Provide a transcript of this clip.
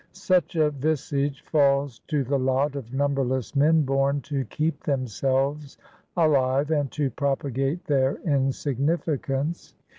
Such a visage falls to the lot of numberless men born to keep themselves alive and to propagate their insignificance.